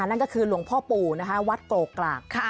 นั่นก็คือหลวงพ่อปู่นะคะวัดโกกราก